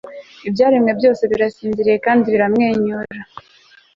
ibyaremwe byose byasinziriye kandi biramwenyura